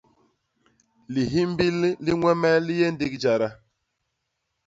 Lihimbil li ñwemel li yé ndigi jada.